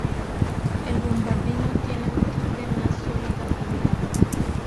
El bombardino tiene un timbre más sólido y grave.